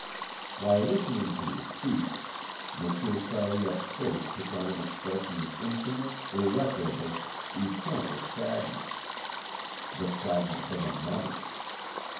While listening to this speech, Monsieur Sariette's face took on an expression of infinite, irreparable, eternal sadness; the sadness of a mummy.